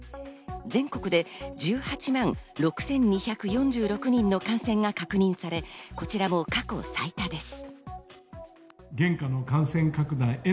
全国で１８万６２４６人の感染が確認され、こちらも過去最多です。